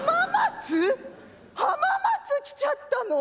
浜松来ちゃったの？